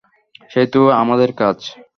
সেই তো আমাদের কাজ।